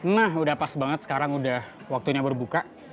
nah udah pas banget sekarang udah waktunya berbuka